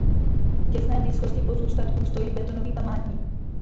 V těsné blízkosti pozůstatků stojí betonový památník.